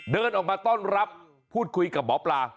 เดินออกมาต้อนรับพูดคุยกับหมอปลา